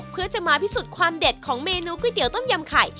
เพื่อจะมาพิสูจน์ความเด็ดของเมนูก๋วยเตี๋ต้มยำไข่